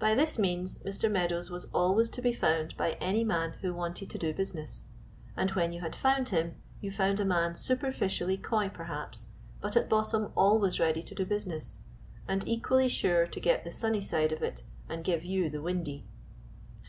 By this means Mr. Meadows was always to be found by any man who wanted to do business; and when you had found him, you found a man superficially coy perhaps, but at bottom always ready to do business, and equally sure to get the sunny side of it and give you the windy.